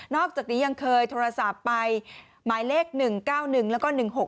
อกจากนี้ยังเคยโทรศัพท์ไปหมายเลข๑๙๑แล้วก็๑๖๖